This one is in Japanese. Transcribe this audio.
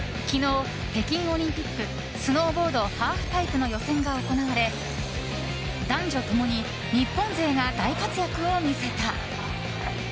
昨日、北京オリンピックスノーボードハーフパイプの予選が行われ男女共に日本勢が大活躍を見せた。